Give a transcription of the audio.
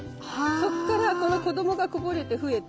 そっからこの子どもがこぼれて増えて。